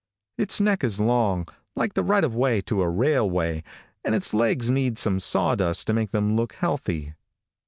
Its neck is long, like the right of way to a railway, and its legs need some sawdust to make them look healthy.